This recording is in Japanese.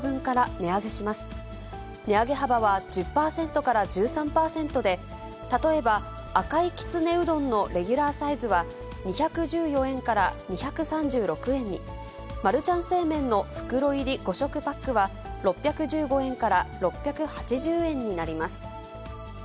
値上げ幅は１０％から１３％で、例えば、赤いきつねうどんのレギュラーサイズは、２１４円から２３６円に、マルちゃん正麺の袋入り５食パックは６１５円から６８０円になります。